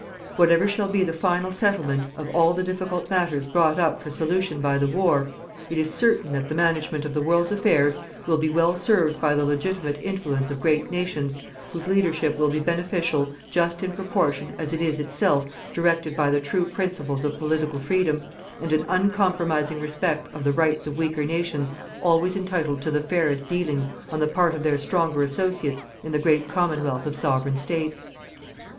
Whatever shall be the final settlement of all the difficult matters brought up for solution by the war, it is certain that the management of the world's affairs will be well served by the legitimate influence of great nations whose leadership will be beneficial just in proportion as it is itself directed by the true principles of political Freedom, and an uncompromising respect of the rights of weaker nations always entitled to the fairest dealings on the part of their stronger associates in the great commonwealth of Sovereign States.